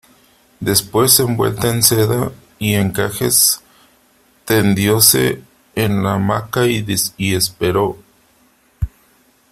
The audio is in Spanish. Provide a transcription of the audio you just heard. después envuelta en seda y encajes , tendióse en la hamaca y esperó :